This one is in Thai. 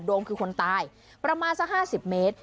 มคือคนตายประมาณสัก๕๐เมตร